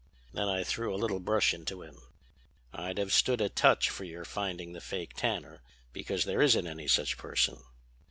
Then I threw a little brush into him: 'I'd have stood a touch for your finding the fake tanner, because there isn't any such person.'